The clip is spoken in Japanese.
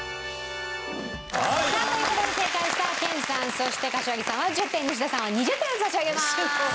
さあという事で正解した研さんそして柏木さんは１０点西田さんは２０点差し上げます。